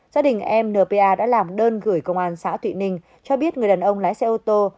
gia đình em npa đã làm đơn gửi công an xã thụy ninh cho biết người đàn ông lái xe ô tô